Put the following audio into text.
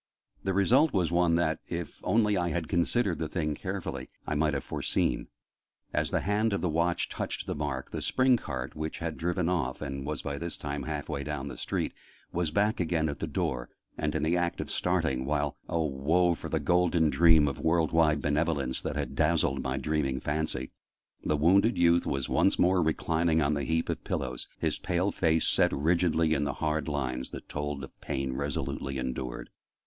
The result was one that, if only I had considered the thing carefully, I might have foreseen: as the hand of the Watch touched the mark, the spring cart which had driven off, and was by this time half way down the street, was back again at the door, and in the act of starting, while oh woe for the golden dream of world wide benevolence that had dazzled my dreaming fancy! the wounded youth was once more reclining on the heap of pillows, his pale face set rigidly in the hard lines that told of pain resolutely endured.